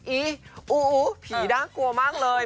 อีอูอูผีน่ะกลัวมากเลย